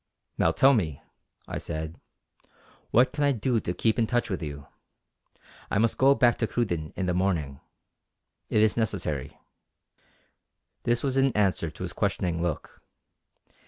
"Now tell me," I said "what can I do to keep in touch with you. I must go back to Cruden in the morning. It is necessary." This was in answer to his questioning look.